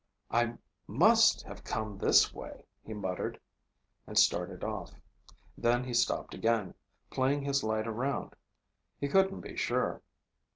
"I must have come this way," he muttered, and started off. Then he stopped again, playing his light around. He couldn't be sure.